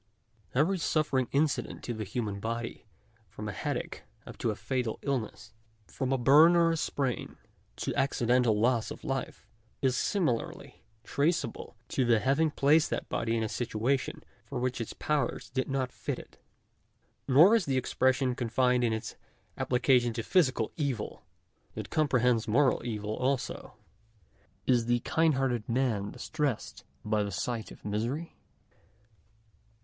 Every suffering incident to the human body, from a headache up to a fatal illness — from a burn or a sprain, to accidental loss of life, is similarly traceable to the having placed that body in a situa tion for which its powers did not fit it. Nor is the expression confined in its application to physical evil; it comprehends moral evil also. Is the kindhearted man distressed by the sight of misery